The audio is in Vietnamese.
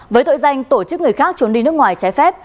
với tội danh tổ chức người khác trốn đi nước ngoài trái phép